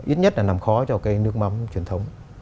ít nhất là làm khó cho cái nước mắm truyền thống